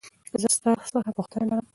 زه ستا څخه پوښتنه لرمه .